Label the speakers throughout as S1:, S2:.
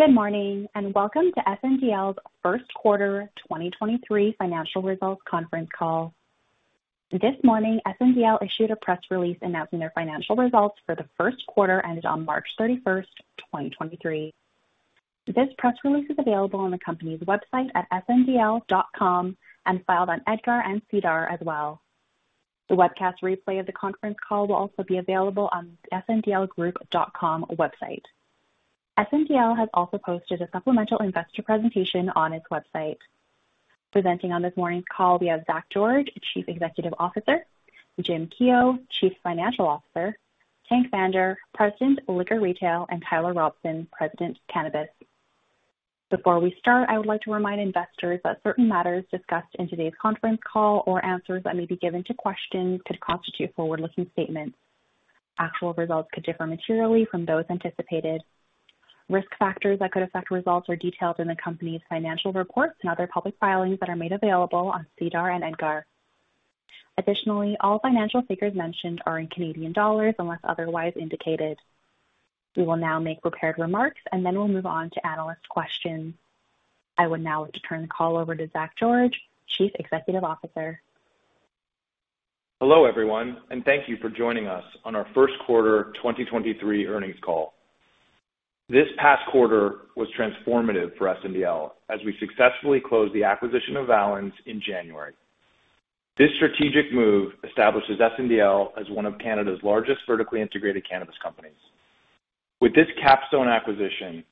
S1: Good morning, welcome to SNDL's first quarter 2023 financial results conference call. This morning, SNDL issued a press release announcing their financial results for the first quarter ended on March 31st, 2023. This press release is available on the company's website at sndl.com and filed on EDGAR and SEDAR as well. The webcast replay of the conference call will also be available on sndlgroup.com website. SNDL has also posted a supplemental investor presentation on its website. Presenting on this morning's call, we have Zach George, Chief Executive Officer, James Keough, Chief Financial Officer, Tank Vander, President, Liquor Retail, and Tyler Robson, President, Cannabis. Before we start, I would like to remind investors that certain matters discussed in today's conference call or answers that may be given to questions could constitute forward-looking statements. Actual results could differ materially from those anticipated. Risk factors that could affect results are detailed in the company's financial reports and other public filings that are made available on SEDAR and EDGAR. Additionally, all financial figures mentioned are in Canadian dollars unless otherwise indicated. We will now make prepared remarks, then we'll move on to analyst questions. I would now like to turn the call over to Zach George, Chief Executive Officer.
S2: Hello, everyone. Thank you for joining us on our first quarter 2023 earnings call. This past quarter was transformative for SNDL as we successfully closed the acquisition of Valens in January. This strategic move establishes SNDL as one of Canada's largest vertically integrated cannabis companies. With this capstone acquisition,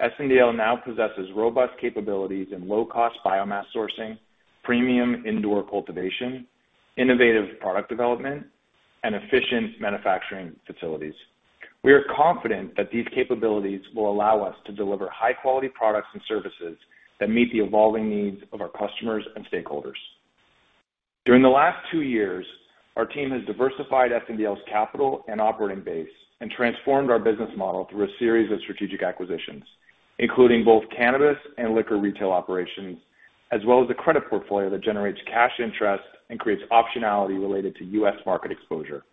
S2: SNDL now possesses robust capabilities in low-cost biomass sourcing, premium indoor cultivation, innovative product development, and efficient manufacturing facilities. We are confident that these capabilities will allow us to deliver high-quality products and services that meet the evolving needs of our customers and stakeholders. During the last two years, our team has diversified SNDL's capital and operating base and transformed our business model through a series of strategic acquisitions, including both cannabis and liquor retail operations, as well as a credit portfolio that generates cash interest and creates optionality related to U.S. market exposure.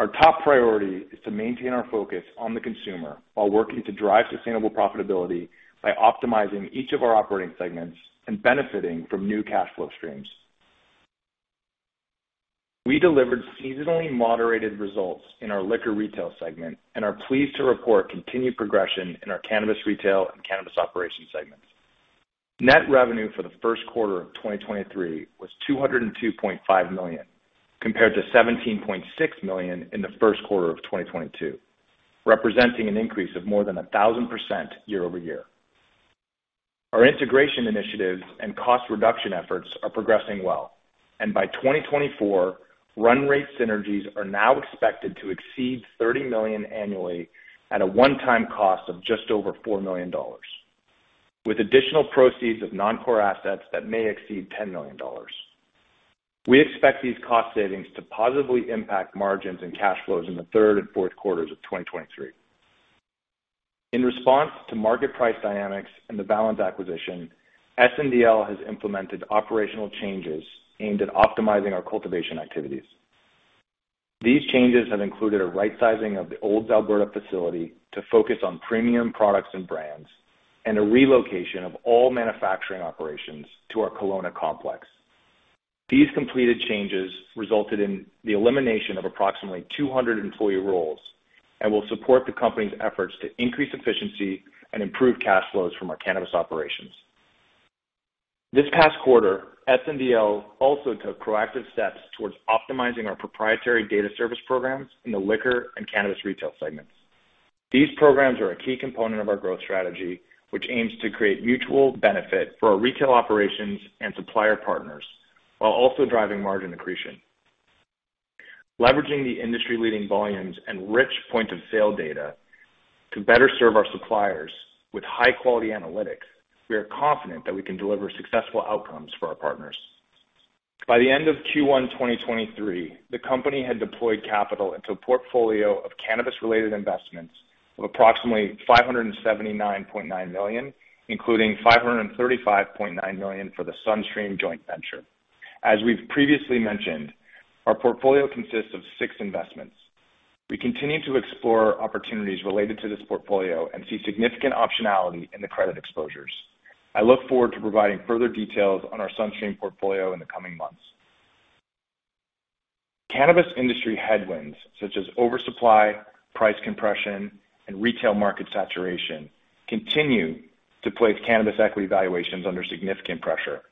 S2: Our top priority is to maintain our focus on the consumer while working to drive sustainable profitability by optimizing each of our operating segments and benefiting from new cash flow streams. We delivered seasonally moderated results in our liquor retail segment and are pleased to report continued progression in our cannabis retail and cannabis operations segments. Net revenue for the first quarter of 2023 was 202.5 million, compared to 17.6 million in the first quarter of 2022, representing an increase of more than 1,000% year-over-year. Our integration initiatives and cost reduction efforts are progressing well. By 2024, run rate synergies are now expected to exceed 30 million annually at a one-time cost of just over 4 million dollars, with additional proceeds of non-core assets that may exceed 10 million dollars. We expect these cost savings to positively impact margins and cash flows in the third and fourth quarters of 2023. In response to market price dynamics and the Valens acquisition, SNDL has implemented operational changes aimed at optimizing our cultivation activities. These changes have included a right sizing of the Olds, Alberta facility to focus on premium products and brands, and a relocation of all manufacturing operations to our Kelowna complex. These completed changes resulted in the elimination of approximately 200 employee roles and will support the company's efforts to increase efficiency and improve cash flows from our cannabis operations. This past quarter, SNDL also took proactive steps towards optimizing our proprietary data service programs in the liquor and cannabis retail segments. These programs are a key component of our growth strategy, which aims to create mutual benefit for our retail operations and supplier partners while also driving margin accretion. Leveraging the industry-leading volumes and rich point-of-sale data to better serve our suppliers with high-quality analytics, we are confident that we can deliver successful outcomes for our partners. By the end of Q1 2023, the company had deployed capital into a portfolio of cannabis-related investments of approximately 579.9 million, including 535.9 million for the SunStream joint venture. As we've previously mentioned, our portfolio consists of six investments. We continue to explore opportunities related to this portfolio and see significant optionality in the credit exposures. I look forward to providing further details on our SunStream portfolio in the coming months. Cannabis industry headwinds such as oversupply, price compression, and retail market saturation continue to place cannabis equity valuations under significant pressure.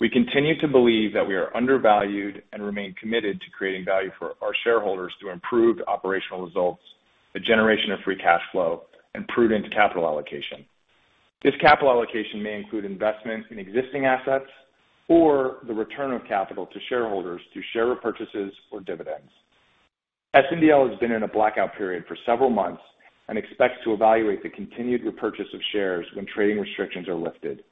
S2: We continue to believe that we are undervalued and remain committed to creating value for our shareholders through improved operational results, the generation of free cash flow, and prudent capital allocation. This capital allocation may include investments in existing assets or the return of capital to shareholders through share repurchases or dividends. SNDL has been in a blackout period for several months and expects to evaluate the continued repurchase of shares when trading restrictions are lifted.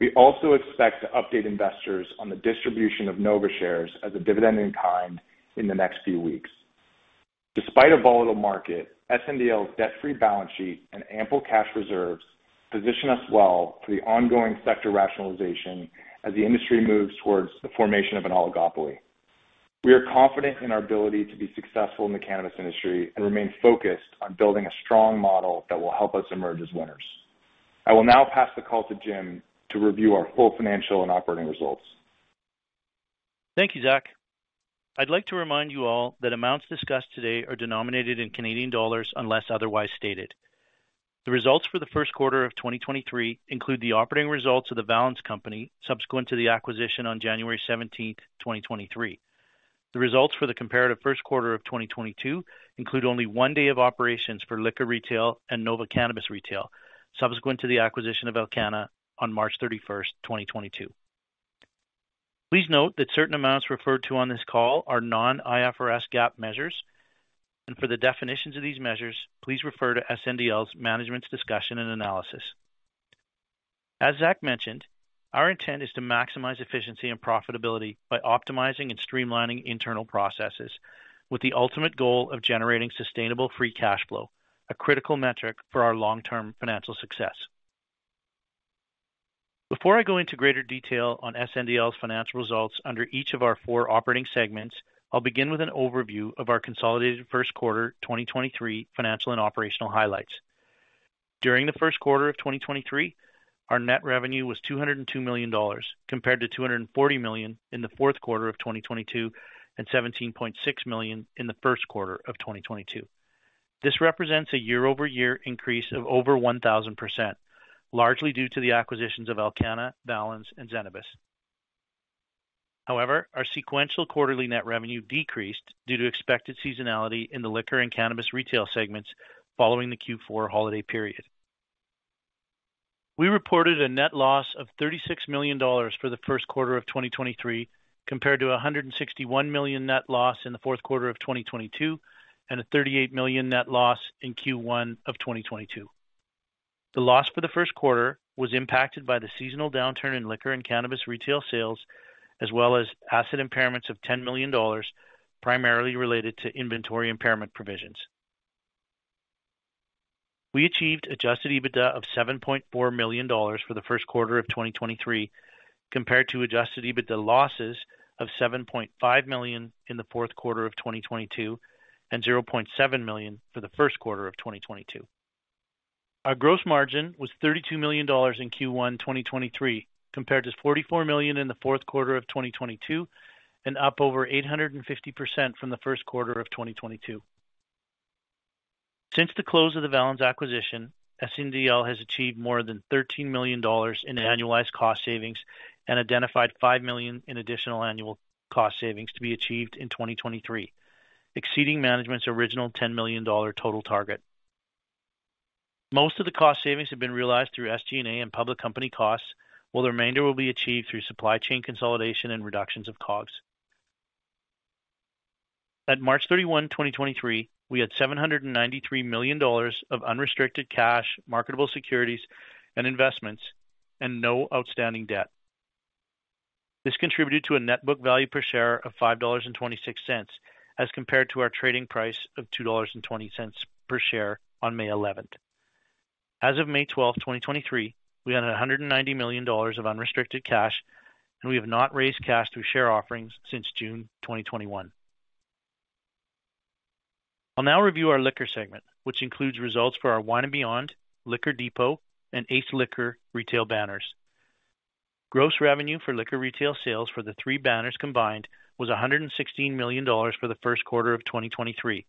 S2: We also expect to update investors on the distribution of Nova shares as a dividend in kind in the next few weeks. Despite a volatile market, SNDL's debt-free balance sheet and ample cash reserves position us well for the ongoing sector rationalization as the industry moves towards the formation of an oligopoly. We are confident in our ability to be successful in the cannabis industry and remain focused on building a strong model that will help us emerge as winners. I will now pass the call to Jim to review our full financial and operating results.
S3: Thank you, Zach. I'd like to remind you all that amounts discussed today are denominated in Canadian dollars unless otherwise stated. The results for the first quarter of 2023 include the operating results of The Valens Company subsequent to the acquisition on January 17th, 2023. The results for the comparative first quarter of 2022 include only one day of operations for liquor retail and Nova Cannabis retail subsequent to the acquisition of Alcanna on March 31st, 2022. Please note that certain amounts referred to on this call are non-IFRS GAAP measures. For the definitions of these measures, please refer to SNDL's management's discussion and analysis. As Zach mentioned, our intent is to maximize efficiency and profitability by optimizing and streamlining internal processes with the ultimate goal of generating sustainable free cash flow, a critical metric for our long-term financial success. Before I go into greater detail on SNDL's financial results under each of our four operating segments, I'll begin with an overview of our consolidated first quarter 2023 financial and operational highlights. During the first quarter of 2023, our net revenue was 202 million dollars compared to 240 million in the fourth quarter of 2022 and 17.6 million in the first quarter of 2022. This represents a year-over-year increase of over 1,000%, largely due to the acquisitions of Alcanna, Valens and Zenabis. However, our sequential quarterly net revenue decreased due to expected seasonality in the liquor and cannabis retail segments following the Q4 holiday period. We reported a net loss of 36 million dollars for the first quarter of 2023, compared to a 161 million net loss in the fourth quarter of 2022 and a 38 million net loss in Q1 of 2022. The loss for the first quarter was impacted by the seasonal downturn in liquor and cannabis retail sales, as well as asset impairments of 10 million dollars, primarily related to inventory impairment provisions. We achieved adjusted EBITDA of 7.4 million dollars for the first quarter of 2023, compared to adjusted EBITDA losses of 7.5 million in the fourth quarter of 2022 and 0.7 million for the first quarter of 2022. Our gross margin was $32 million in Q1 2023, compared to $44 million in the fourth quarter of 2022 and up over 850% from the first quarter of 2022. Since the close of the Valens acquisition, SNDL has achieved more than $13 million in annualized cost savings and identified $5 million in additional annual cost savings to be achieved in 2023, exceeding management's original $10 million total target. Most of the cost savings have been realized through SG&A and public company costs, while the remainder will be achieved through supply chain consolidation and reductions of COGS. At March 31, 2023, we had $793 million of unrestricted cash, marketable securities, and investments and no outstanding debt. This contributed to a net book value per share of 5.26 dollars, as compared to our trading price of 2.20 dollars per share on May 11th. As of May 12th, 2023, we had 190 million dollars of unrestricted cash, and we have not raised cash through share offerings since June 2021. I'll now review our liquor segment, which includes results for our Wine & Beyond, Liquor Depot, and Ace Liquor retail banners. Gross revenue for liquor retail sales for the three banners combined was 116 million dollars for the first quarter of 2023,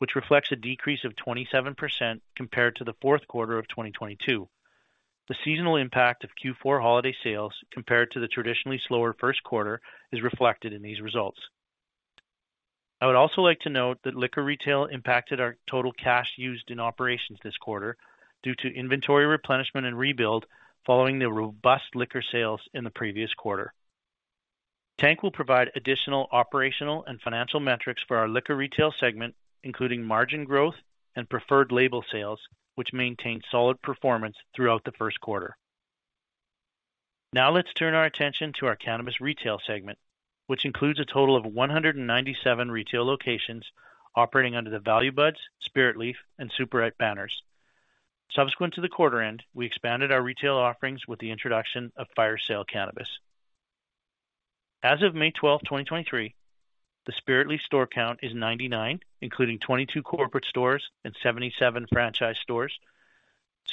S3: which reflects a decrease of 27% compared to the fourth quarter of 2022. The seasonal impact of Q4 holiday sales compared to the traditionally slower first quarter is reflected in these results. I would also like to note that liquor retail impacted our total cash used in operations this quarter due to inventory replenishment and rebuild following the robust liquor sales in the previous quarter. Tank will provide additional operational and financial metrics for our liquor retail segment, including margin growth and preferred label sales, which maintained solid performance throughout the first quarter. Let's turn our attention to our cannabis retail segment, which includes a total of 197 retail locations operating under the Value Buds, Spiritleaf, and Superette banners. Subsequent to the quarter end, we expanded our retail offerings with the introduction of Firesale cannabis. As of May 12th, 2023, the Spiritleaf store count is 99, including 22 corporate stores and 77 franchise stores.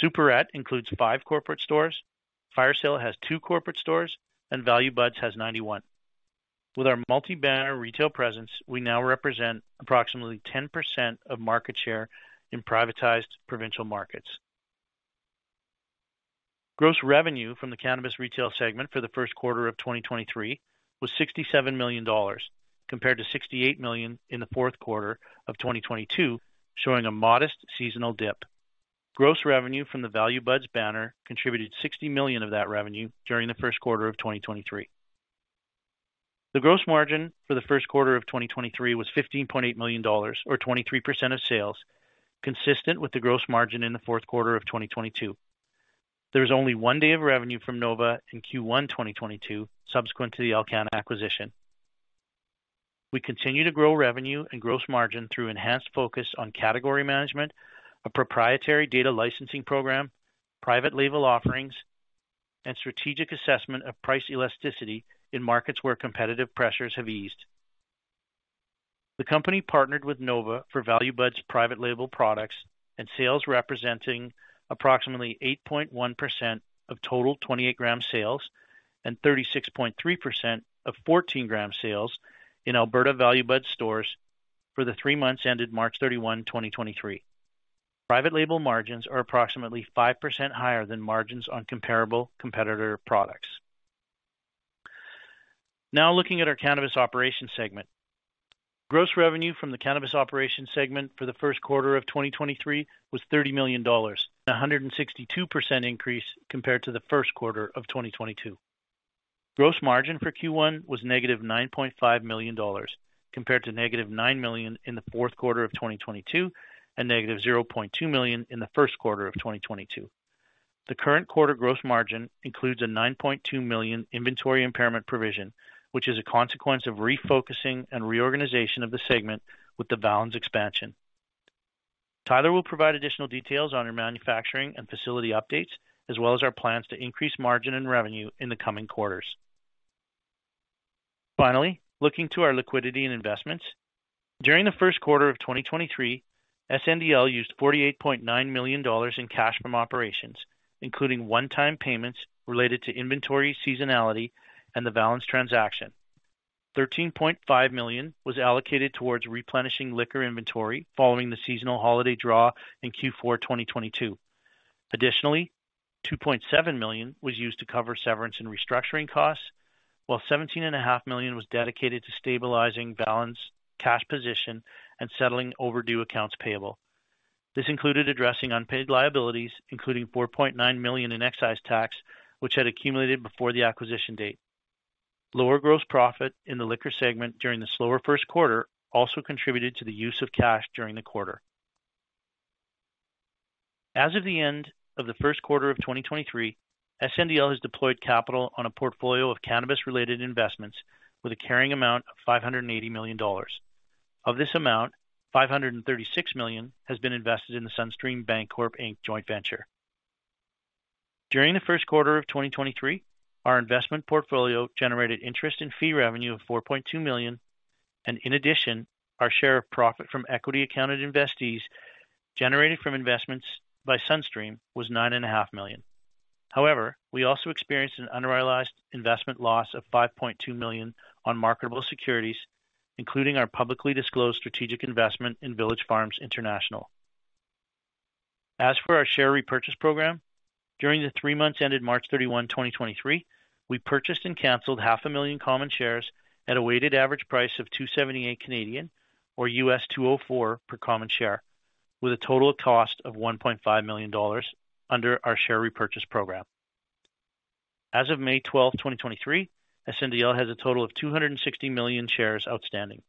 S3: Superette includes 5 corporate stores. Firesale has 2 corporate stores, and Value Buds has 91. With our multi-banner retail presence, we now represent approximately 10% of market share in privatized provincial markets. Gross revenue from the cannabis retail segment for the first quarter of 2023 was 67 million dollars compared to 68 million in the fourth quarter of 2022, showing a modest seasonal dip. Gross revenue from the Value Buds banner contributed 60 million of that revenue during the first quarter of 2023. The gross margin for the first quarter of 2023 was 15.8 million dollars or 23% of sales, consistent with the gross margin in the fourth quarter of 2022. There is only one day of revenue from Nova in Q1 2022 subsequent to the Alcanna acquisition. We continue to grow revenue and gross margin through enhanced focus on category management, a proprietary data licensing program, private label offerings. Strategic assessment of price elasticity in markets where competitive pressures have eased. The company partnered with Nova for Value Buds private label products and sales representing approximately 8.1% of total 28 gram sales and 36.3% of 14 gram sales in Alberta Value Buds stores for the 3 months ended March 31, 2023. Private label margins are approximately 5% higher than margins on comparable competitor products. Now looking at our cannabis operations segment. Gross revenue from the cannabis operations segment for the first quarter of 2023 was 30 million dollars, a 162% increase compared to the first quarter of 2022. Gross margin for Q1 was negative 9.5 million dollars compared to negative 9 million in the fourth quarter of 2022 and negative 0.2 million in the first quarter of 2022. The current quarter gross margin includes a 9.2 million inventory impairment provision, which is a consequence of refocusing and reorganization of the segment with the Valens expansion. Tyler will provide additional details on our manufacturing and facility updates as well as our plans to increase margin and revenue in the coming quarters. Looking to our liquidity and investments. During the first quarter of 2023, SNDL used 48.9 million dollars in cash from operations, including one-time payments related to inventory seasonality and the Valens transaction. 13.5 million was allocated towards replenishing liquor inventory following the seasonal holiday draw in Q4 2022. $2.7 million was used to cover severance and restructuring costs, while 17 and a half million was dedicated to stabilizing Valens' cash position and settling overdue accounts payable. This included addressing unpaid liabilities, including $4.9 million in excise tax, which had accumulated before the acquisition date. Lower gross profit in the liquor segment during the slower first quarter also contributed to the use of cash during the quarter. As of the end of the first quarter of 2023, SNDL has deployed capital on a portfolio of cannabis-related investments with a carrying amount of $580 million. Of this amount, $536 million has been invested in the SunStream Bancorp Inc. joint venture. During the first quarter of 2023, our investment portfolio generated interest in fee revenue of 4.2 million, and in addition, our share of profit from equity accounted investees generated from investments by SunStream was nine and a half million. However, we also experienced an unrealized investment loss of 5.2 million on marketable securities, including our publicly disclosed strategic investment in Village Farms International. As for our share repurchase program, during the 3 months ended March 31, 2023, we purchased and canceled half a million common shares at a weighted average price of 2.78 or U.S. $2.04 per common share, with a total cost of 1.5 million dollars under our share repurchase program. As of May 12, 2023, SNDL has a total of 260 million shares outstanding.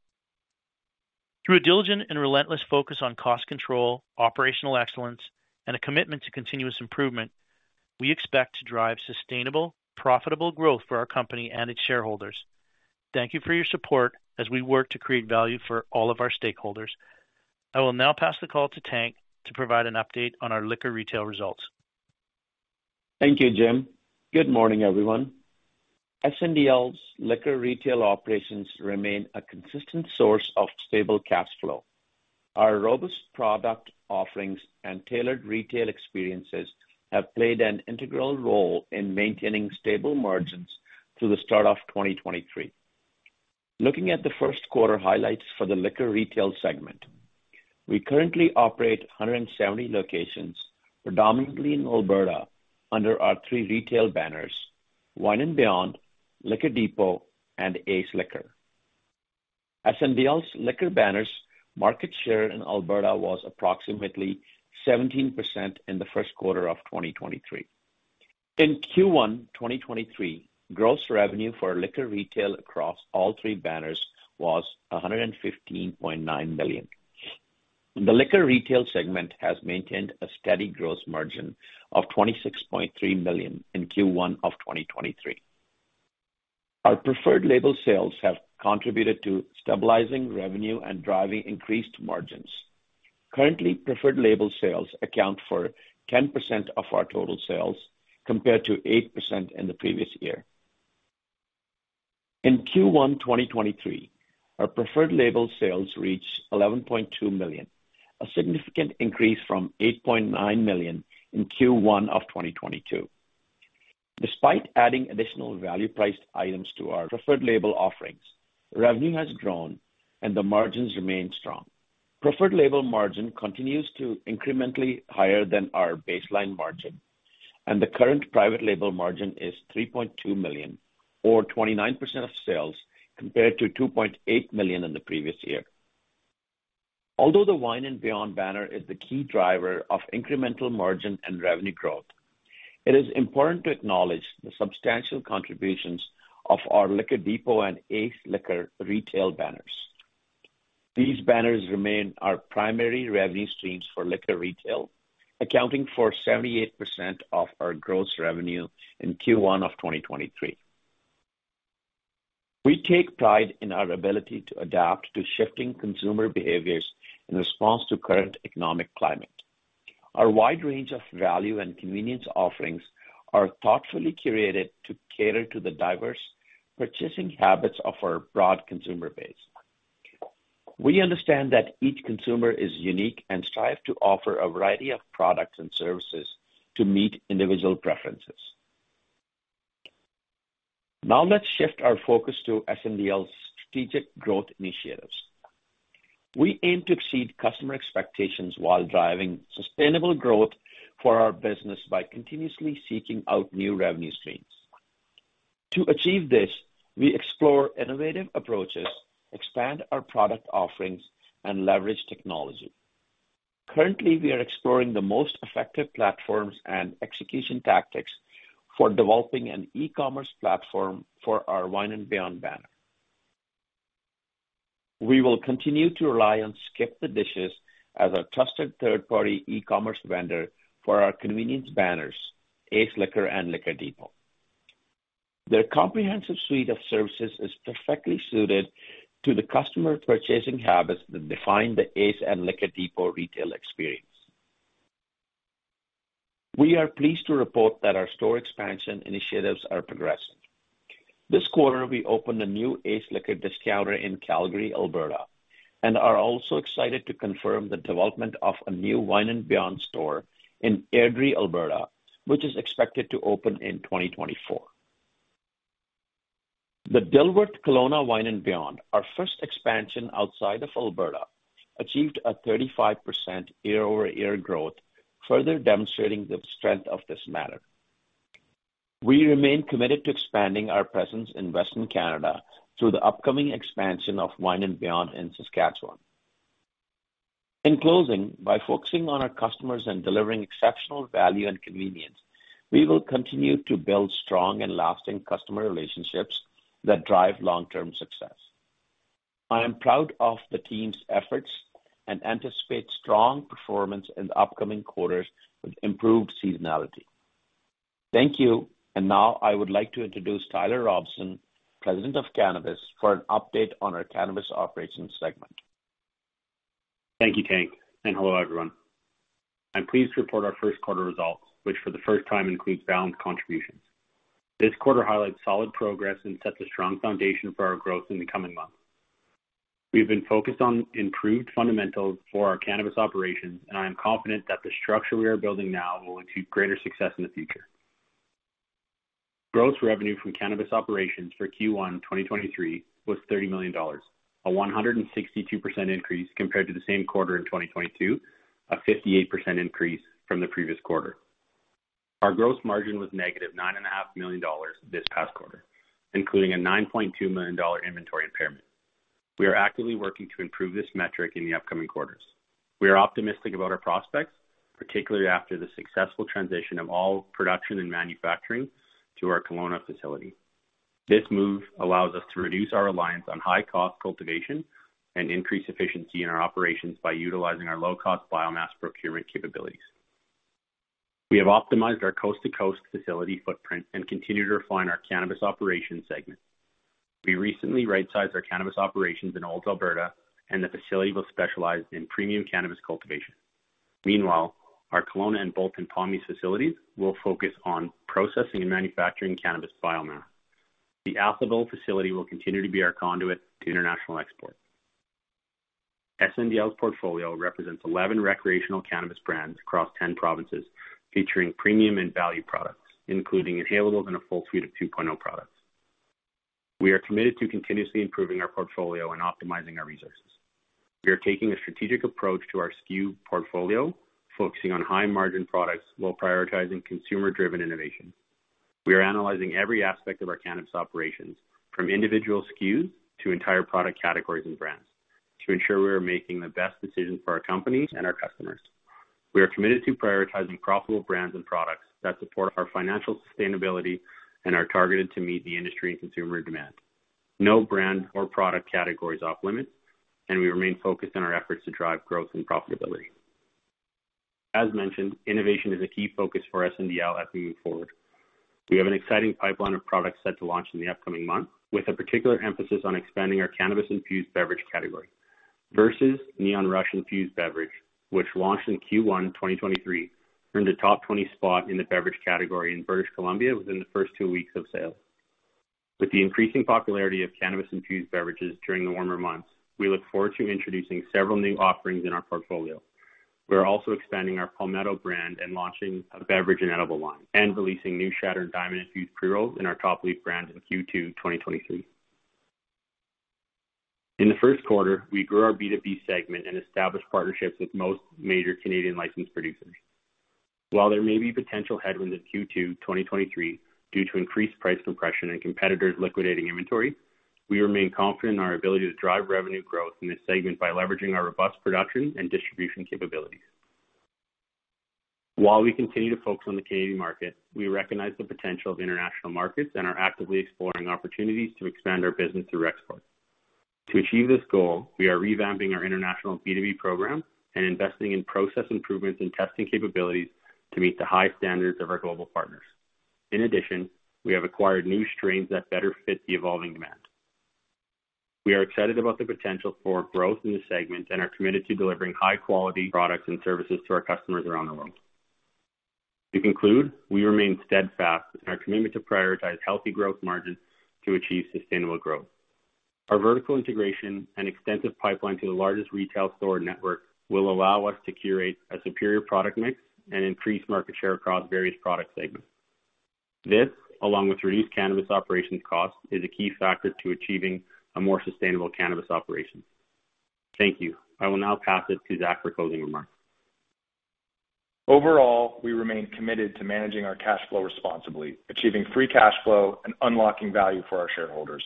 S3: Through a diligent and relentless focus on cost control, operational excellence, and a commitment to continuous improvement, we expect to drive sustainable, profitable growth for our company and its shareholders. Thank you for your support as we work to create value for all of our stakeholders. I will now pass the call to Tank to provide an update on our Liquor Retail results.
S4: Thank you, Jim. Good morning, everyone. SNDL's liquor retail operations remain a consistent source of stable cash flow. Our robust product offerings and tailored retail experiences have played an integral role in maintaining stable margins through the start of 2023. Looking at the first quarter highlights for the liquor retail segment, we currently operate 170 locations, predominantly in Alberta, under our three retail banners, Wine and Beyond, Liquor Depot, and Ace Liquor. SNDL's liquor banners market share in Alberta was approximately 17% in the first quarter of 2023. In Q1 2023, gross revenue for liquor retail across all three banners was 115.9 million. The liquor retail segment has maintained a steady gross margin of 26.3 million in Q1 of 2023. Our preferred label sales have contributed to stabilizing revenue and driving increased margins. Currently, preferred label sales account for 10% of our total sales, compared to 8% in the previous year. In Q1 2023, our preferred label sales reached 11.2 million, a significant increase from 8.9 million in Q1 of 2022. Despite adding additional value-priced items to our preferred label offerings, revenue has grown, and the margins remain strong. Preferred label margin continues to incrementally higher than our baseline margin, and the current private label margin is 3.2 million or 29% of sales compared to 2.8 million in the previous year. Although the Wine and Beyond banner is the key driver of incremental margin and revenue growth, it is important to acknowledge the substantial contributions of our Liquor Depot and Ace Liquor retail banners. These banners remain our primary revenue streams for liquor retail, accounting for 78% of our gross revenue in Q1 of 2023. We take pride in our ability to adapt to shifting consumer behaviors in response to current economic climate. Our wide range of value and convenience offerings are thoughtfully curated to cater to the diverse purchasing habits of our broad consumer base. We understand that each consumer is unique and strive to offer a variety of products and services to meet individual preferences. Now let's shift our focus to SNDL's strategic growth initiatives. We aim to exceed customer expectations while driving sustainable growth for our business by continuously seeking out new revenue streams. To achieve this, we explore innovative approaches, expand our product offerings, and leverage technology. Currently, we are exploring the most effective platforms and execution tactics for developing an e-commerce platform for our Wine and Beyond banner. We will continue to rely on SkipTheDishes as our trusted third-party e-commerce vendor for our convenience banners, Ace Liquor and Liquor Depot. Their comprehensive suite of services is perfectly suited to the customer purchasing habits that define the Ace and Liquor Depot retail experience. We are pleased to report that our store expansion initiatives are progressing. This quarter, we opened a new Ace Liquor Discounter in Calgary, Alberta. Are also excited to confirm the development of a new Wine and Beyond store in Airdrie, Alberta, which is expected to open in 2024. The Dilworth Kelowna Wine and Beyond, our first expansion outside of Alberta, achieved a 35% year-over-year growth, further demonstrating the strength of this matter. We remain committed to expanding our presence in Western Canada through the upcoming expansion of Wine and Beyond in Saskatchewan. In closing, by focusing on our customers and delivering exceptional value and convenience, we will continue to build strong and lasting customer relationships that drive long-term success. I am proud of the team's efforts and anticipate strong performance in the upcoming quarters with improved seasonality. Thank you. Now I would like to introduce Tyler Robson, President of Cannabis, for an update on our cannabis operations segment.
S5: Thank you, Tank. Hello, everyone. I'm pleased to report our first quarter results, which for the first time includes balanced contributions. This quarter highlights solid progress and sets a strong foundation for our growth in the coming months. We have been focused on improved fundamentals for our cannabis operations, and I am confident that the structure we are building now will achieve greater success in the future. Gross revenue from cannabis operations for Q1 2023 was $30 million, a 162% increase compared to the same quarter in 2022, a 58% increase from the previous quarter. Our gross margin was negative $9.5 million this past quarter, including a $9.2 million inventory impairment. We are actively working to improve this metric in the upcoming quarters. We are optimistic about our prospects, particularly after the successful transition of all production and manufacturing to our Kelowna facility. This move allows us to reduce our reliance on high-cost cultivation and increase efficiency in our operations by utilizing our low-cost biomass procurement capabilities. We have optimized our coast-to-coast facility footprint and continue to refine our cannabis operations segment. We recently right-sized our cannabis operations in Olds, Alberta, and the facility will specialize in premium cannabis cultivation. Meanwhile, our Kelowna and Bolton Pommies facilities will focus on processing and manufacturing cannabis biomass. The Athabasca facility will continue to be our conduit to international export. SNDL's portfolio represents 11 recreational cannabis brands across 10 provinces, featuring premium and value products, including inhalables and a full suite of 2.0 products. We are committed to continuously improving our portfolio and optimizing our resources. We are taking a strategic approach to our SKU portfolio, focusing on high-margin products while prioritizing consumer-driven innovation. We are analyzing every aspect of our cannabis operations, from individual SKUs to entire product categories and brands, to ensure we are making the best decisions for our companies and our customers. We are committed to prioritizing profitable brands and products that support our financial sustainability and are targeted to meet the industry and consumer demand. No brand or product category is off-limits, and we remain focused on our efforts to drive growth and profitability. As mentioned, innovation is a key focus for SNDL as we move forward. We have an exciting pipeline of products set to launch in the upcoming months, with a particular emphasis on expanding our cannabis-infused beverage category. Versus Neon Rush infused beverage, which launched in Q1 2023, earned a top 20 spot in the beverage category in British Columbia within the first 2 weeks of sale. With the increasing popularity of cannabis-infused beverages during the warmer months, we look forward to introducing several new offerings in our portfolio. We're also expanding our Palmetto brand and launching a beverage and edible line and releasing new Shatterd Diamond-infused pre-rolls in our Top Leaf brand in Q2 2023. In the 1st quarter, we grew our B2B segment and established partnerships with most major Canadian licensed producers. While there may be potential headwinds in Q2 2023 due to increased price compression and competitors liquidating inventory, we remain confident in our ability to drive revenue growth in this segment by leveraging our robust production and distribution capabilities. While we continue to focus on the Canadian market, we recognize the potential of international markets and are actively exploring opportunities to expand our business through export. To achieve this goal, we are revamping our international B2B program and investing in process improvements and testing capabilities to meet the high standards of our global partners. In addition, we have acquired new strains that better fit the evolving demand. We are excited about the potential for growth in the segment and are committed to delivering high-quality products and services to our customers around the world. To conclude, we remain steadfast in our commitment to prioritize healthy growth margins to achieve sustainable growth. Our vertical integration and extensive pipeline to the largest retail store network will allow us to curate a superior product mix and increase market share across various product segments. This, along with reduced cannabis operations costs, is a key factor to achieving a more sustainable cannabis operation. Thank you. I will now pass it to Zach for closing remarks.
S2: Overall, we remain committed to managing our cash flow responsibly, achieving free cash flow and unlocking value for our shareholders.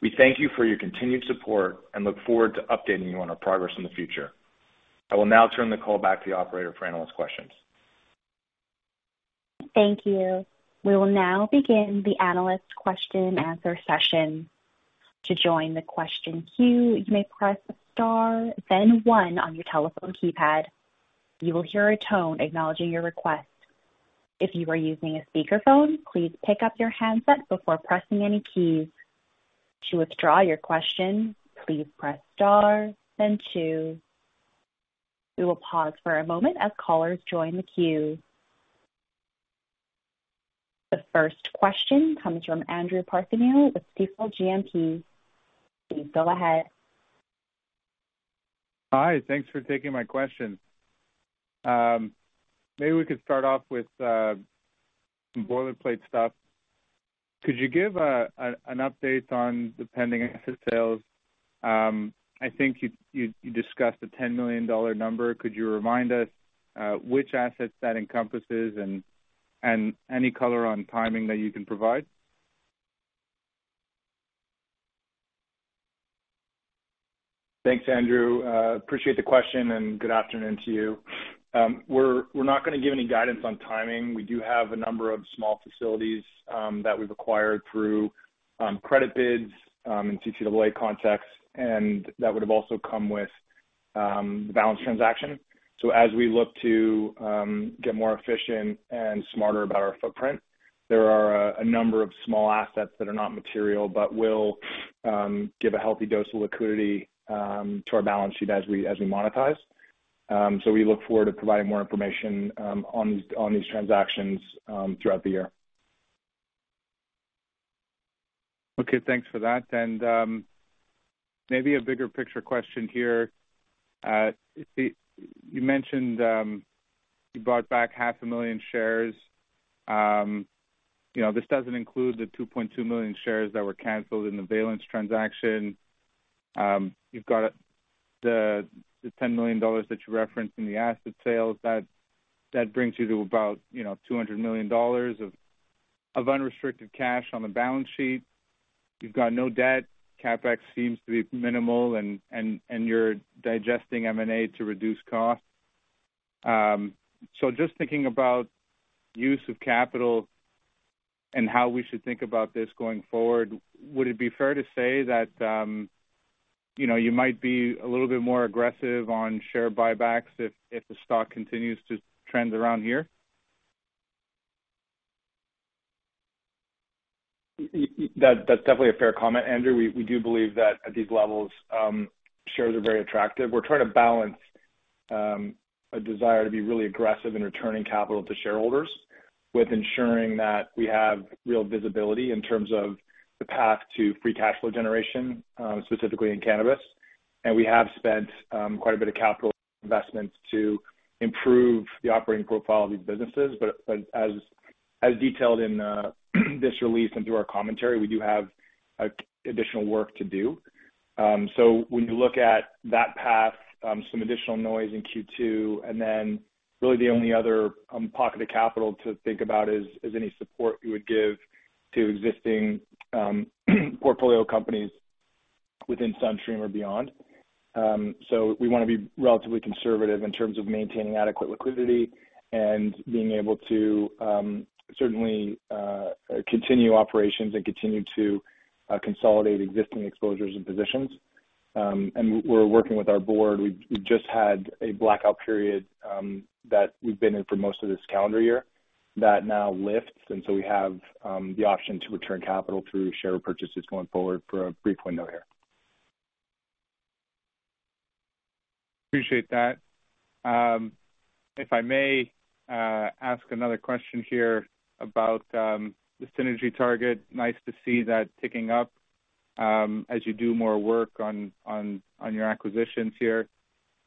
S2: We thank you for your continued support and look forward to updating you on our progress in the future. I will now turn the call back to the operator for analyst questions.
S1: Thank you. We will now begin the analyst question and answer session. To join the question queue, you may press star then one on your telephone keypad. You will hear a tone acknowledging your request. If you are using a speakerphone, please pick up your handset before pressing any keys. To withdraw your question, please press star then two. We will pause for a moment as callers join the queue. The first question comes from Andrew Partheniou with Stifel GMP. Please go ahead.
S6: Hi, thanks for taking my question. Maybe we could start off with some boilerplate stuff. Could you give an update on the pending asset sales? I think you discussed the $10 million CAD number. Could you remind us which assets that encompasses and any color on timing that you can provide?
S2: Thanks, Andrew, appreciate the question and good afternoon to you. We're not going to give any guidance on timing. We do have a number of small facilities that we've acquired through credit bids and through to the way context, and that would've also come with the Valens transaction. As we look to get more efficient and smarter about our footprint, there are a number of small assets that are not material but will give a healthy dose of liquidity to our balance sheet as we monetize. We look forward to providing more information on these transactions throughout the year.
S6: Okay, thanks for that. Maybe a bigger picture question here. You mentioned you bought back half a million shares. You know, this doesn't include the 2.2 million shares that were canceled in The Valens transaction. You've got the $10 million that you referenced in the asset sales, that brings you to about, you know, $200 million of unrestricted cash on the balance sheet. You've got no debt. CapEx seems to be minimal and you're digesting M&A to reduce costs. So just thinking about use of capital and how we should think about this going forward, would it be fair to say that, you know, you might be a little bit more aggressive on share buybacks if the stock continues to trend around here?
S2: That's definitely a fair comment, Andrew. We do believe that at these levels, shares are very attractive. We're trying to balance a desire to be really aggressive in returning capital to shareholders with ensuring that we have real visibility in terms of the path to free cash flow generation, specifically in cannabis. We have spent quite a bit of capital investments to improve the operating profile of these businesses. As detailed in this release and through our commentary, we do have additional work to do. When you look at that path, some additional noise in Q2, and then really the only other pocket of capital to think about is any support we would give to existing portfolio companies within SunStream or beyond. We wanna be relatively conservative in terms of maintaining adequate liquidity and being able to, certainly, continue operations and continue to, consolidate existing exposures and positions. We're working with our board. We've just had a blackout period, that we've been in for most of this calendar year that now lifts. We have, the option to return capital through share purchases going forward for a brief window here.
S6: Appreciate that. If I may ask another question here about the synergy target. Nice to see that ticking up as you do more work on your acquisitions here.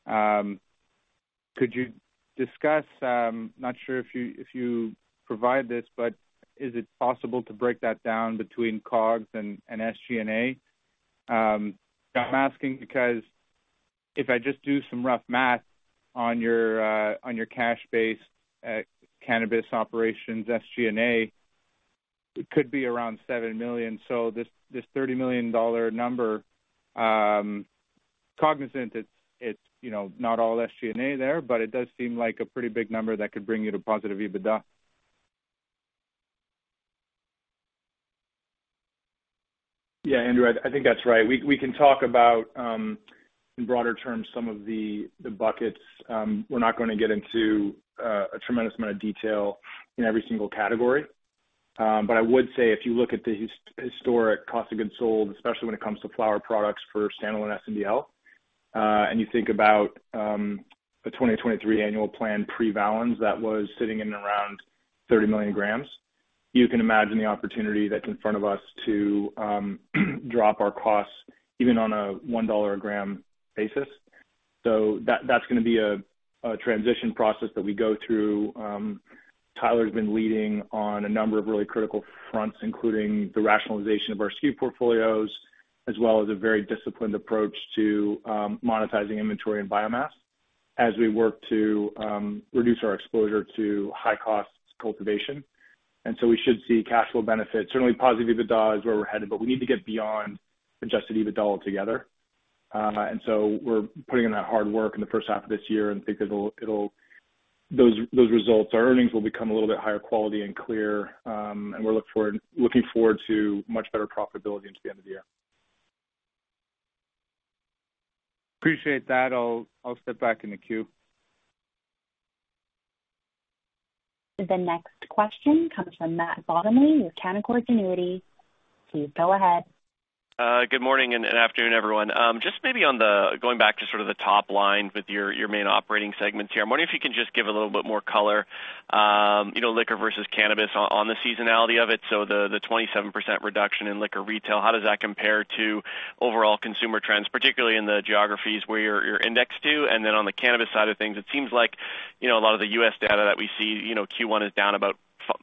S6: Could you discuss, not sure if you provide this, but is it possible to break that down between COGS and SG&A? I'm asking because if I just do some rough math on your cash base cannabis operations SG&A, it could be around 7 million. This 30 million dollar number, cognizant it's, you know, not all SG&A there, but it does seem like a pretty big number that could bring you to positive EBITDA.
S2: Yeah, Andrew, I think that's right. We can talk about in broader terms, some of the buckets. We're not gonna get into a tremendous amount of detail in every single category. I would say if you look at the historic cost of goods sold, especially when it comes to flower products for SNDL and SNDL, and you think about the 20 to 23 annual plan pre-Valens that was sitting in around 30 million grams, you can imagine the opportunity that's in front of us to drop our costs even on a 1 dollar a gram basis. That's gonna be a transition process that we go through. Tyler's been leading on a number of really critical fronts, including the rationalization of our SKU portfolios, as well as a very disciplined approach to monetizing inventory and biomass as we work to reduce our exposure to high cost cultivation. We should see cash flow benefits. Certainly, positive EBITDA is where we're headed, but we need to get beyond adjusted EBITDA altogether. We're putting in that hard work in the first half of this year and think it'll those results, our earnings will become a little bit higher quality and clear. We'll be looking forward to much better profitability into the end of the year.
S6: Appreciate that. I'll step back in the queue.
S1: The next question comes from Matt Bottomley with Canaccord Genuity. Please go ahead.
S7: Good morning and afternoon, everyone. Just maybe going back to sort of the top line with your main operating segments here. I'm wondering if you can just give a little bit more color, you know, liquor versus cannabis on the seasonality of it. The 27% reduction in liquor retail, how does that compare to overall consumer trends, particularly in the geographies where you're indexed to? On the cannabis side of things, it seems like, you know, a lot of the U.S. data that we see, you know, Q1 is down about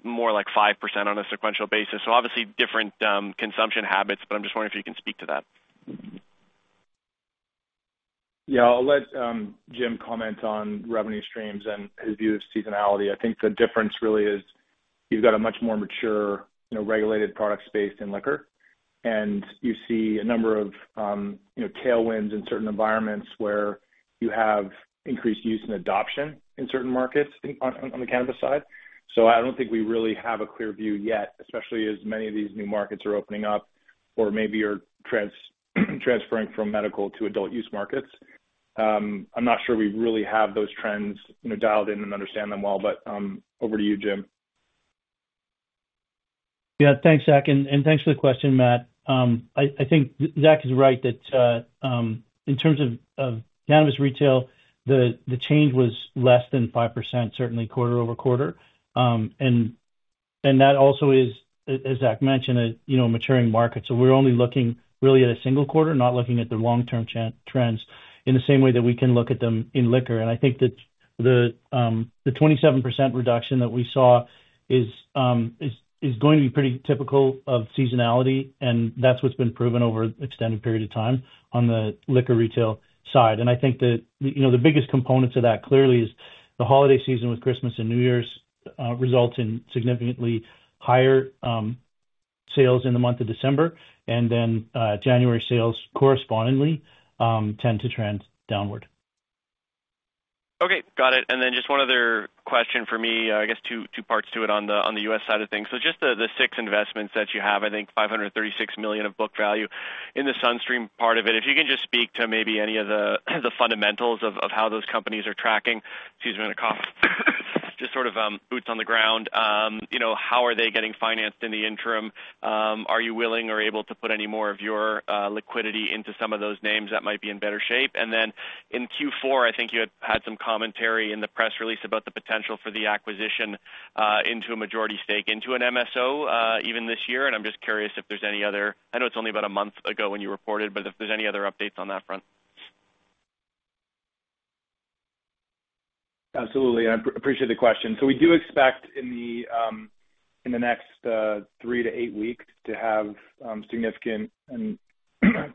S7: more like 5% on a sequential basis. Obviously different consumption habits, but I'm just wondering if you can speak to that.
S2: I'll let Jim comment on revenue streams and his view of seasonality. I think the difference really is you've got a much more mature, you know, regulated product space in liquor, and you see a number of, you know, tailwinds in certain environments where you have increased use and adoption in certain markets on the cannabis side. I don't think we really have a clear view yet, especially as many of these new markets are opening up or maybe are transferring from medical to adult use markets. I'm not sure we really have those trends, you know, dialed in and understand them well, but over to you, Jim.
S3: Yeah. Thanks, Zach, and thanks for the question, Matt. I think Zach is right that in terms of cannabis retail, the change was less than 5%, certainly quarter-over-quarter. That also is, as Zach mentioned, a, you know, maturing market. We're only looking really at a single quarter, not looking at the long-term trends in the same way that we can look at them in liquor. I think that the 27% reduction that we saw is going to be pretty typical of seasonality, and that's what's been proven over extended period of time on the liquor retail side. I think that, you know, the biggest component to that clearly is the holiday season with Christmas and New Year's, results in significantly higher, sales in the month of December, and then, January sales correspondingly, tend to trend downward.
S7: Okay. Got it. Just one other question for me, I guess two parts to it on the, on the U.S. side of things. Just the six investments that you have, I think 536 million of book value in the SunStream part of it. If you can just speak to maybe any of the fundamentals of how those companies are tracking. Excuse me. I'm gonna cough. Just sort of, boots on the ground. You know, how are they getting financed in the interim? Are you willing or able to put any more of your liquidity into some of those names that might be in better shape? Then in Q4, I think you had some commentary in the press release about the potential for the acquisition into a majority stake into an MSO even this year. I'm just curious if there's any other I know it's only about a month ago when you reported, but if there's any other updates on that front?
S2: Absolutely. I appreciate the question. We do expect in the next three to eight weeks to have significant and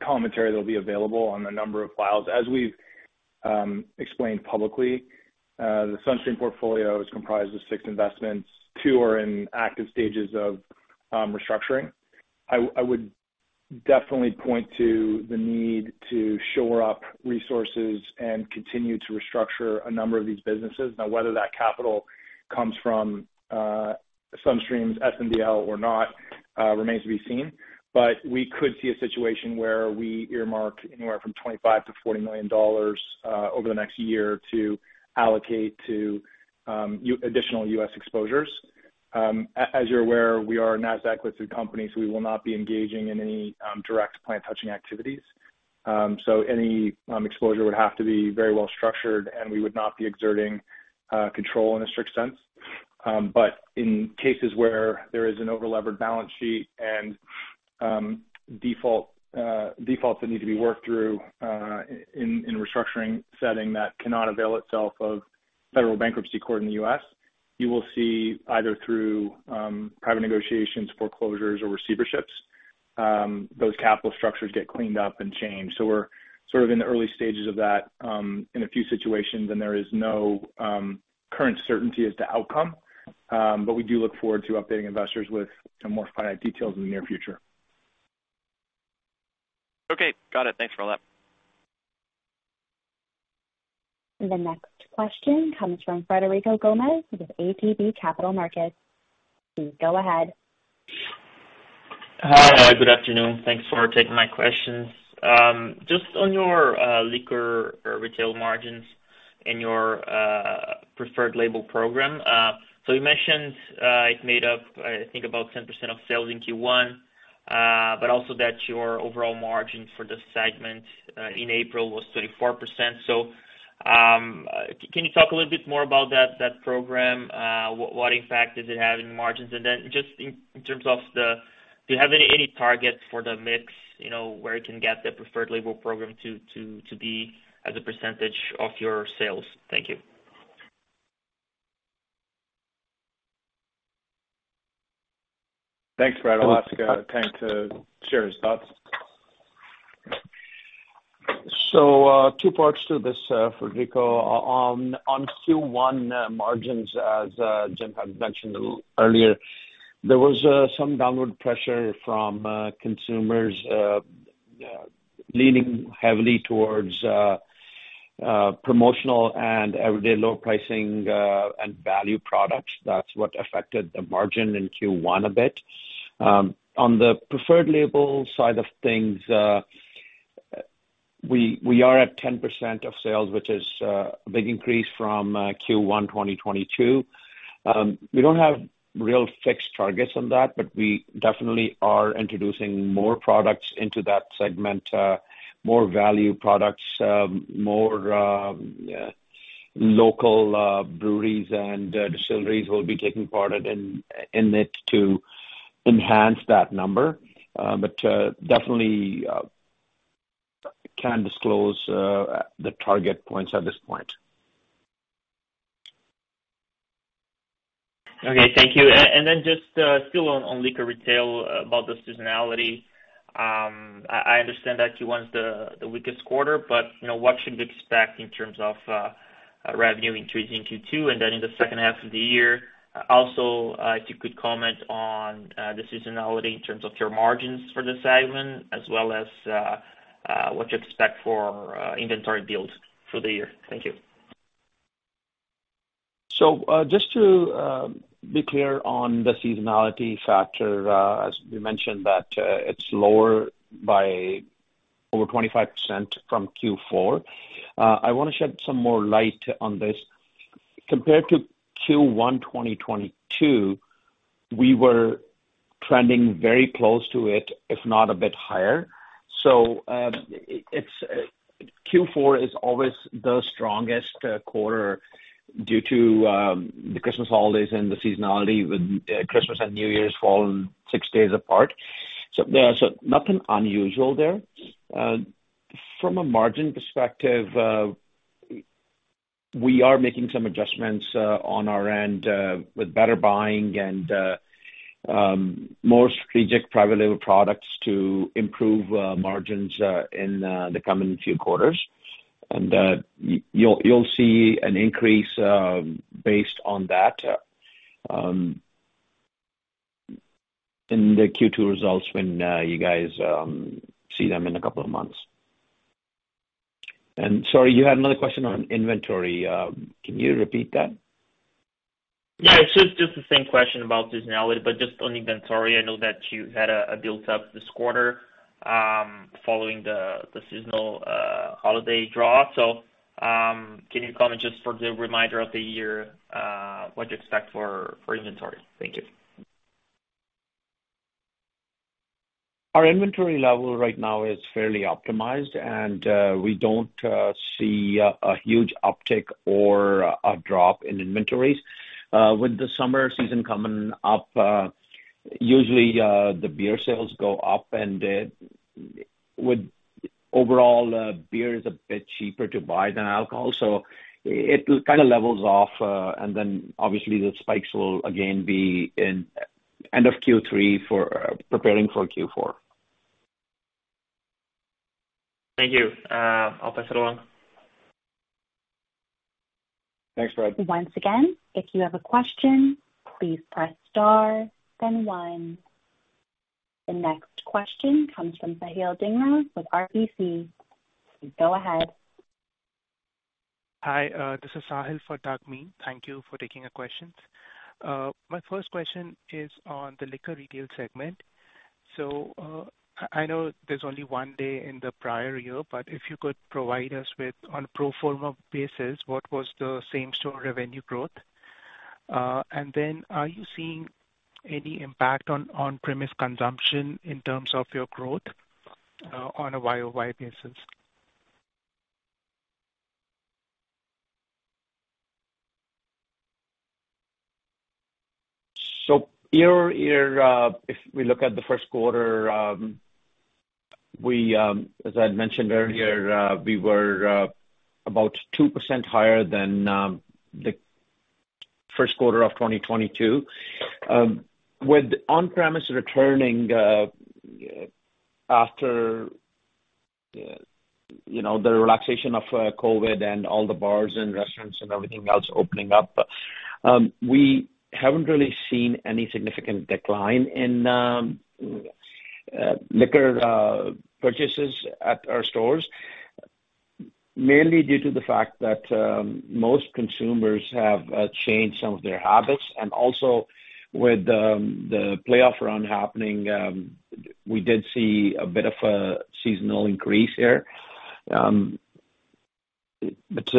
S2: commentary that will be available on a number of files. As we've explained publicly, the SunStream portfolio is comprised of six investments. Two are in active stages of restructuring. I would definitely point to the need to shore up resources and continue to restructure a number of these businesses. Whether that capital comes from SunStream, SNDL or not, remains to be seen. We could see a situation where we earmark anywhere from 25 million-40 million dollars over the next year to allocate to additional U.S. exposures. As you're aware, we are a Nasdaq-listed company, so we will not be engaging in any direct plant touching activities. Any exposure would have to be very well structured, and we would not be exerting control in a strict sense. In cases where there is an over-levered balance sheet and defaults that need to be worked through in restructuring setting that cannot avail itself of federal bankruptcy court in the U.S., you will see either through private negotiations, foreclosures or receiverships, those capital structures get cleaned up and changed. We're sort of in the early stages of that in a few situations, and there is no current certainty as to outcome. We do look forward to updating investors with some more finite details in the near future.
S7: Okay. Got it. Thanks for all that.
S1: The next question comes from Frederico Gomes with ATB Capital Markets. Please go ahead.
S8: Hi. Good afternoon. Thanks for taking my questions. Just on your liquor retail margins and your preferred label program. You mentioned it made up, I think, about 10% of sales in Q1, but also that your overall margin for the segment in April was 34%. Can you talk a little bit more about that program? What, what impact does it have in margins? Just in terms of do you have any targets for the mix, you know, where you can get the preferred label program to be as a percentage of your sales? Thank you. Thanks, Fred. I'll ask Ken to share his thoughts.
S4: Two parts to this, Frederico. On Q1 margins, as Jim had mentioned earlier, there was some downward pressure from consumers leaning heavily towards promotional and everyday low pricing, and value products. That's what affected the margin in Q1 a bit. On the preferred label side of things, we are at 10% of sales, which is a big increase from Q1 2022. We don't have real fixed targets on that, but we definitely are introducing more products into that segment, more value products, more local breweries and distilleries will be taking part in it to enhance that number. Definitely, can't disclose the target points at this point.
S8: Okay. Thank you. Then just, still on liquor retail about the seasonality. I understand that Q1's the weakest quarter, you know, what should we expect in terms of, revenue increasing Q2 and then in the second half of the year? Also, if you could comment on, the seasonality in terms of your margins for the segment as well as, what to expect for, inventory builds for the year. Thank you.
S4: Just to be clear on the seasonality factor, as we mentioned that, it's lower by over 25% from Q4. I wanna shed some more light on this. Compared to Q1 2022, we were trending very close to it, if not a bit higher. Q4 is always the strongest quarter due to the Christmas holidays and the seasonality with Christmas and New Year's falling 6 days apart. There's nothing unusual there. From a margin perspective, we are making some adjustments on our end with better buying and more strategic private label products to improve margins in the coming few quarters. You'll see an increase, based on that, in the Q2 results when you guys see them in a couple of months. Sorry, you had another question on inventory. Can you repeat that?
S8: Yeah. It's just the same question about seasonality, but just on inventory. I know that you had a build-up this quarter, following the seasonal holiday draw. Can you comment just for the remainder of the year, what to expect for inventory? Thank you.
S4: Our inventory level right now is fairly optimized, and we don't see a huge uptick or a drop in inventories. With the summer season coming up, usually the beer sales go up, and with overall, beer is a bit cheaper to buy than alcohol, so it kind of levels off. Then obviously the spikes will again be in end of Q3 for preparing for Q4.
S8: Thank you. I'll pass it along. Thanks, Fred.
S1: Once again, if you have a question, please press star then one. The next question comes from Sahil Dhingra with RBC. Please go ahead.
S9: Hi, this is Sahil for Dagmi. Thank you for taking our questions. My first question is on the liquor retail segment. I know there's only one day in the prior year, but if you could provide us with, on a pro forma basis, what was the same-store revenue growth. Are you seeing any impact on on-premise consumption in terms of your growth, on a YOY basis?
S4: Year-over-year, if we look at the first quarter, we, as I had mentioned earlier, we were about 2% higher than the first quarter of 2022. With on-premise returning, after, you know, the relaxation of COVID and all the bars and restaurants and everything else opening up, we haven't really seen any significant decline in liquor purchases at our stores, mainly due to the fact that most consumers have changed some of their habits. Also with the playoff run happening, we did see a bit of a seasonal increase here. But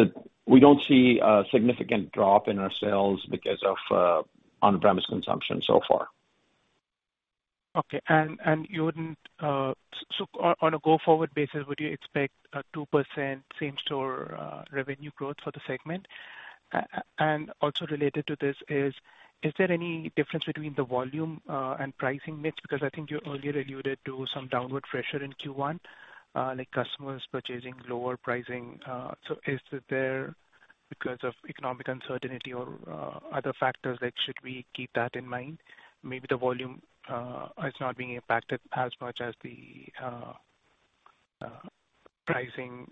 S4: we don't see a significant drop in our sales because of on-premise consumption so far.
S9: Okay. And you wouldn't. On a go-forward basis, would you expect a 2% same-store revenue growth for the segment? Also related to this is there any difference between the volume and pricing mix? Because I think you earlier alluded to some downward pressure in Q1, like customers purchasing lower pricing. Is it there because of economic uncertainty or other factors that should we keep that in mind? Maybe the volume is not being impacted as much as the pricing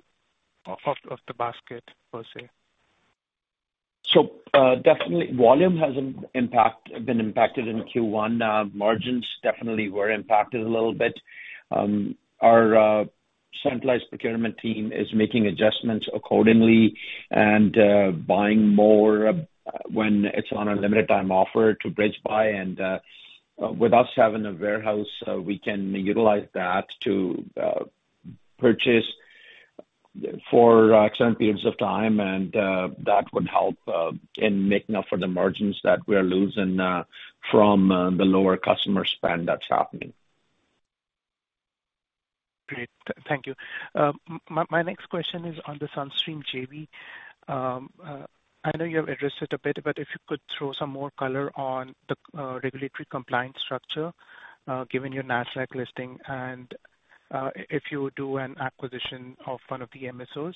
S9: of the basket per se.
S4: Definitely volume has been impacted in Q1. Margins definitely were impacted a little bit. Our centralized procurement team is making adjustments accordingly and buying more when it's on a limited time offer to bridge buy. With us having a warehouse, we can utilize that to purchase for certain periods of time, that would help in making up for the margins that we're losing from the lower customer spend that's happening.
S9: Great. Thank you. My next question is on the SunStream JV. I know you have addressed it a bit, but if you could throw some more color on the regulatory compliance structure, given your Nasdaq listing and, if you do an acquisition of one of the MSOs,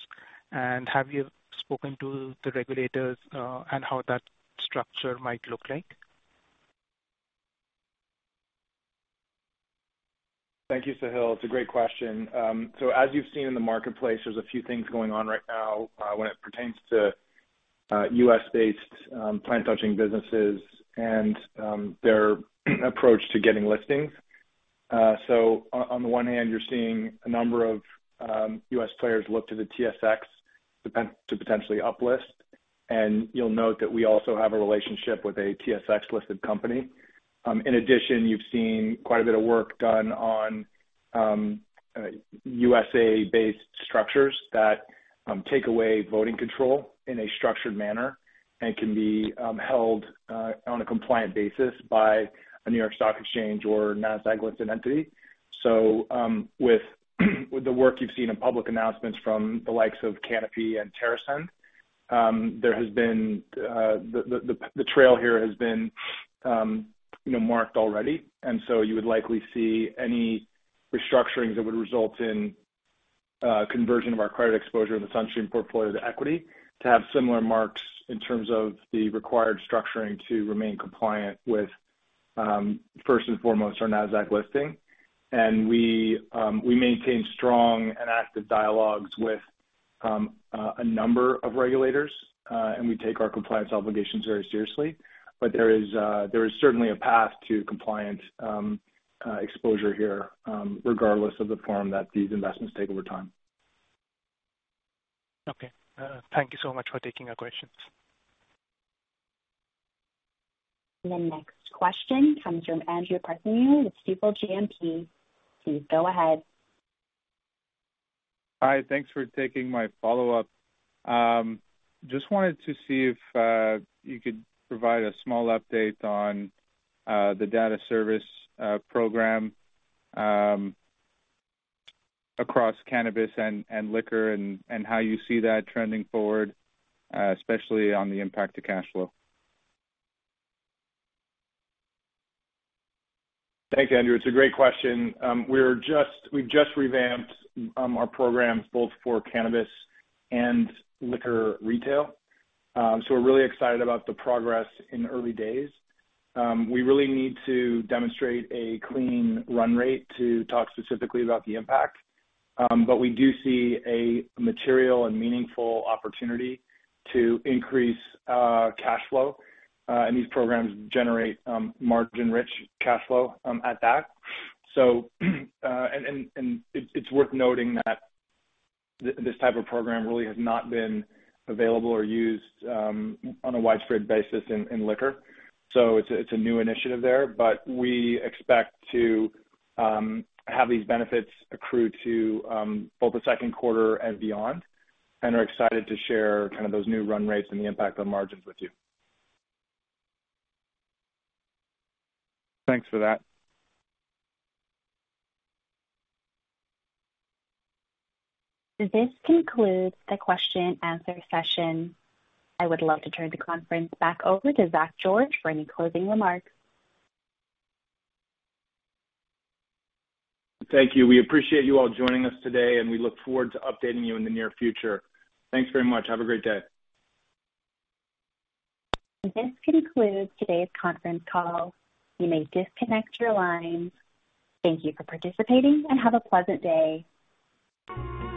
S9: and have you spoken to the regulators, and how that structure might look like?
S2: Thank you, Sahil. It's a great question. As you've seen in the marketplace, there's a few things going on right now, when it pertains to U.S.-based plant touching businesses and their approach to getting listings. On the one hand, you're seeing a number of U.S. players look to the TSX to potentially uplist, and you'll note that we also have a relationship with a TSX-listed company. In addition, you've seen quite a bit of work done on U.S.A.-based structures that take away voting control in a structured manner and can be held on a compliant basis by a New York Stock Exchange or Nasdaq-listed entity. With the work you've seen in public announcements from the likes of Canopy and TerrAscend, there has been the trail here has been, you know, marked already. You would likely see any restructurings that would result in conversion of our credit exposure in the SunStream portfolio to equity to have similar marks in terms of the required structuring to remain compliant with first and foremost, our Nasdaq listing. We maintain strong and active dialogues with a number of regulators, and we take our compliance obligations very seriously. There is certainly a path to compliant exposure here, regardless of the form that these investments take over time.
S9: Okay. Thank you so much for taking our questions.
S1: The next question comes from Andrew Partheniou with Stifel GMP. Please go ahead.
S6: Hi. Thanks for taking my follow-up. Just wanted to see if you could provide a small update on the data service program across cannabis and liquor and how you see that trending forward, especially on the impact to cash flow.
S2: Thanks, Andrew. It's a great question. We've just revamped our programs both for cannabis and liquor retail. We're really excited about the progress in the early days. We really need to demonstrate a clean run rate to talk specifically about the impact. We do see a material and meaningful opportunity to increase cash flow, and these programs generate margin-rich cash flow at that. It's worth noting that this type of program really has not been available or used on a widespread basis in liquor. It's a new initiative there, but we expect to have these benefits accrue to both the second quarter and beyond, and are excited to share kind of those new run rates and the impact on margins with you.
S6: Thanks for that.
S1: This concludes the question and answer session. I would love to turn the conference back over to Zach George for any closing remarks.
S2: Thank you. We appreciate you all joining us today, and we look forward to updating you in the near future. Thanks very much. Have a great day.
S1: This concludes today's conference call. You may disconnect your lines. Thank you for participating, and have a pleasant day.